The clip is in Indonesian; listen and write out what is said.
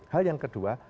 hal yang kedua